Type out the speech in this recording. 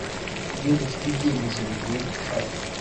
Iyo dufite ibyemezo bigoye gufata